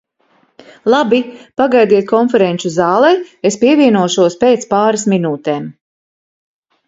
Labi, pagaidiet konferenču zālē, es pievienošos pēc pāris minūtēm.